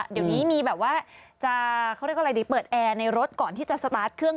เดี๋ยวนี้มีแบบว่าจะเปิดแอร์ในรถก่อนที่จะสตาร์ทเครื่อง